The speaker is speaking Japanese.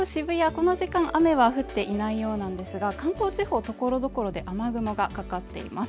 この時間雨は降っていないようなんですが関東地方所々で雨雲がかかっています。